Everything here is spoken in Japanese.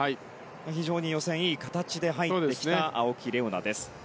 非常に予選、いい形で入ってきた青木玲緒樹です。